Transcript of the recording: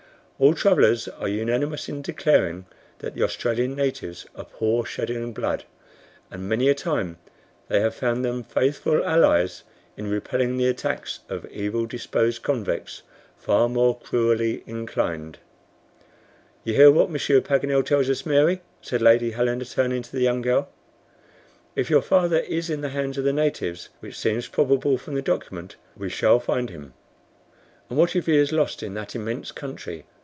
All travelers are unanimous in declaring that the Australian natives abhor shedding blood, and many a time they have found in them faithful allies in repelling the attacks of evil disposed convicts far more cruelly inclined." "You hear what Monsieur Paganel tells us, Mary," said Lady Helena turning to the young girl. "If your father is in the hands of the natives, which seems probable from the document, we shall find him." "And what if he is lost in that immense country?"